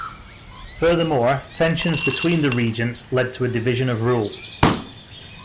Furthermore, tensions between the regents led to a division of rule.